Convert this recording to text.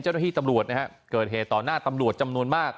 เจ้าหน้าที่ตำรวจนะฮะเกิดเหตุต่อหน้าตำรวจจำนวนมาก